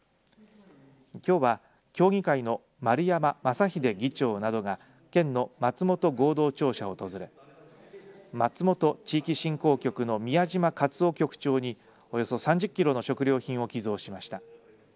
きょうは協議会の丸山正秀議長などが県の松本合同庁舎を訪れ松本地域振興局の宮島克夫局長におよそ３０キロの食料品を寄贈しました。